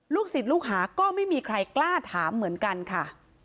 ศิษย์ลูกหาก็ไม่มีใครกล้าถามเหมือนกันค่ะ